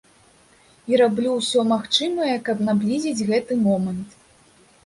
І раблю ўсё магчымае, каб наблізіць гэты момант.